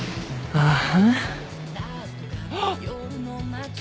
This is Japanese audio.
ああ。